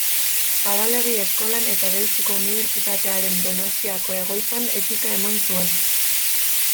Zabalegi eskolan eta Deustuko Unibertsitatearen Donostiako egoitzan etika eman zuen.